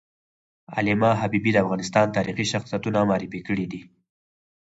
علامه حبیبي د افغانستان تاریخي شخصیتونه معرفي کړي دي.